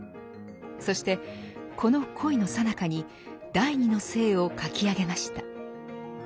そしてこの恋のさなかに「第二の性」を書き上げました。